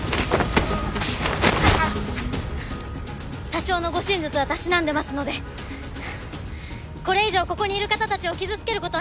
多少の護身術はたしなんでますのでこれ以上ここにいる方たちを傷つけることは許しません！